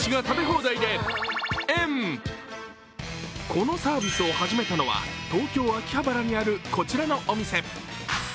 このサービスを始めたのは東京・秋葉原にあるこちらのお店。